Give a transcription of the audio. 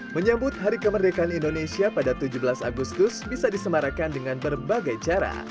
menyambut hari kemerdekaan indonesia pada tujuh belas agustus bisa disemarakan dengan berbagai cara